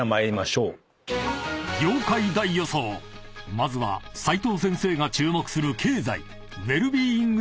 まずは齋藤先生が注目する経済］